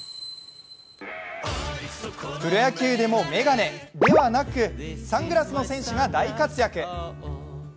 プロ野球でも眼鏡ではなく、サングラスの選手が大活躍。